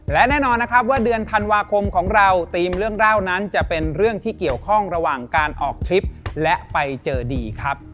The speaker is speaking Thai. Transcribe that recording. และแน่นอนนะครับว่าเดือนธันวาคมของเราทีมเรื่องเล่านั้นจะเป็นเรื่องที่เกี่ยวข้องระหว่างการออกทริปและไปเจอดีครับ